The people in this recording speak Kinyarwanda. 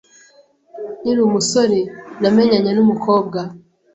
Nkiri umusore namenyanye n’umukobwa